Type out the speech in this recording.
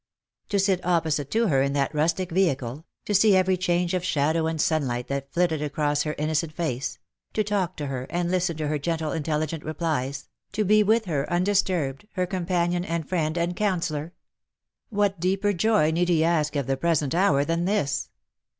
To sit opposite to her in that rustic vehicle ; to see every change of shadow and sunlight that flitted across her innocent face ; to talk to her and listen to her gentle intelligent replies ; to be with her undisturbed, her com panion and friend and counsellor ! What deeper joy need he ask of the present hour than this